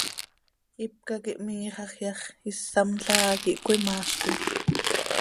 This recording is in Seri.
Ipca quih miixaj yax, issamla ha quih cöimaazquim.